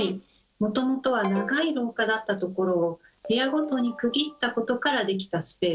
もともとは長い廊下だったところを部屋ごとに区切ったことから出来たスペースということです。